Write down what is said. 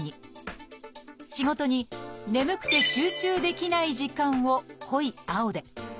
仕事に眠くて集中できない時間を濃い青で。